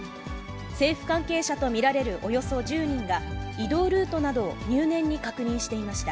政府関係者と見られるおよそ１０人が移動ルートなどを入念に確認していました。